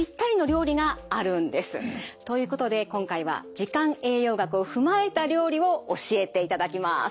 ということで今回は時間栄養学を踏まえた料理を教えていただきます。